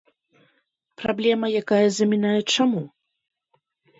Праблема, якая замінае чаму?